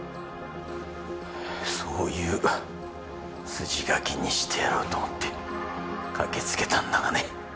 そういう筋書きにしてやろうと思って駆けつけたんだがね。